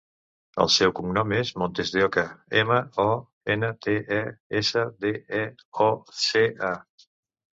El seu cognom és Montesdeoca: ema, o, ena, te, e, essa, de, e, o, ce, a.